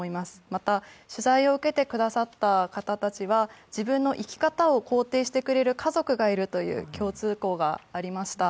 また、取材を受けてくださった方たちは、自分の生き方を肯定してくれる家族がいるという共通項がありました。